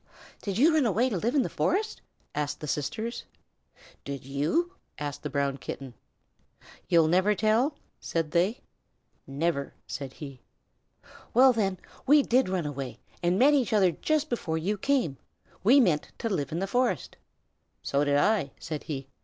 "Did you run away to live in the forest?" asked the sisters. "Did you?" asked the Brown Kitten. "You'll never tell?" said they. "Never!" said he. "Well then, we did run away, and met each other just before you came. We meant to live in the forest." "So did I," said he.